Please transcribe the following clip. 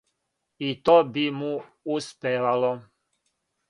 И то би му успевало.